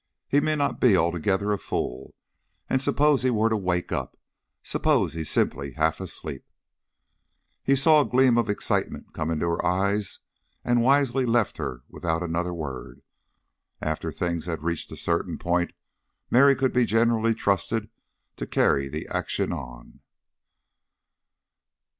He may not be altogether a fool. And suppose he were to wake up? Suppose he's simply half asleep?" He saw a gleam of excitement come in her eyes and wisely left her without another word. After things had reached a certain point Mary could be generally trusted to carry the action on.